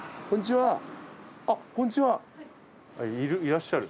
いらっしゃる。